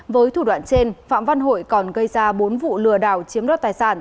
với thủ đoạn trên phạm văn hội còn gây ra bốn vụ lừa đảo chiếm đoạt tài sản